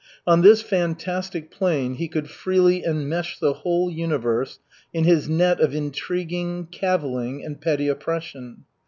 On this fantastic plane he could freely enmesh the whole universe in his net of intriguing, cavilling, and petty oppression.